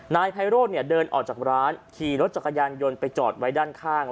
นายไพโรธเนี่ยเดินออกจากร้านขี่รถจักรยานยนต์ไปจอดไว้ด้านข้าง